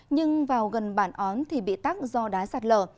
nhưng vào gần bản ón thì bị tắc do đá sạt lở